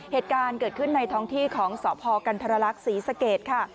เหตุการณ์เกิดขึ้นในท้องที่ของสพกันทรลักษณ์ศรีสเกตค่ะ